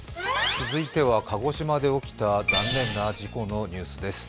続いては鹿児島で起きた残念な事故のニュースです。